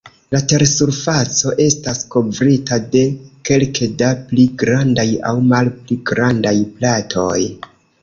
La tersurfaco estas kovrita de kelke da pli grandaj aŭ malpli grandaj platoj.